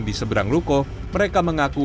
di seberang ruko mereka mengaku